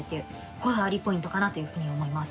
こだわりポイントかなという風に思います。